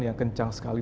yang kencang sekali